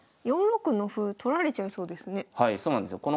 ４六の歩取られちゃいそうですね。